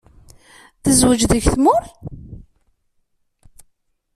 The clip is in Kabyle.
Tezweǧ deg tmurt?